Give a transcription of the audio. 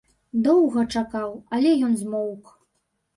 Доўга чакаў, але ён змоўк.